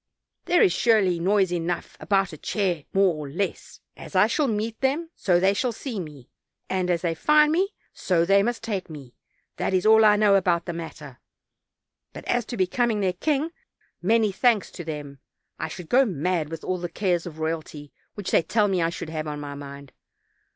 There ia surely noise enough about a chair more or less! As I shall meet them, so they shall see me; and as they find me, so they must take me, that is all I know about the matter; but as to becoming their king, many thanks to them, I should go mad with all the cares of royalty which they tell me I should have on my mind.